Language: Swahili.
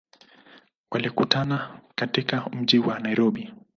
Walikutana katika mji wa Nairobi.